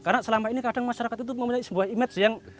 karena selama ini kadang masyarakat itu memiliki sebuah image yang